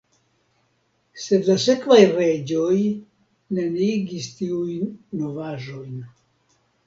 Sed la sekvaj reĝoj neniigis tiujn novaĵojn.